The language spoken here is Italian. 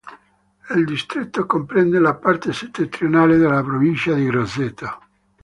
Il distretto comprende la parte settentrionale della provincia di Grosseto.